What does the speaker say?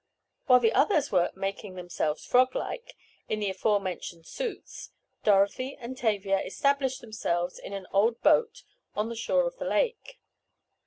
While the others were "making themselves frog like" in the aforementioned suits, Dorothy and Tavia established themselves in an old boat on the shore of the lake.